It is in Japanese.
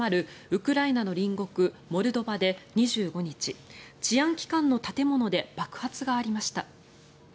ウクライナの隣国モルドバで２５日治安機関の建物で爆発がありました。